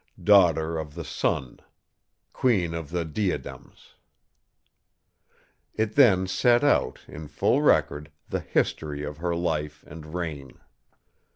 'Daughter of the Sun,' 'Queen of the Diadems'. "It then set out, in full record, the history of her life and reign.